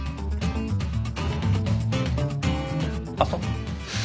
あっそう。